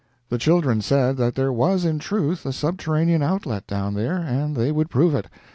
The children said that there was in truth a subterranean outlet down there, and they would prove it.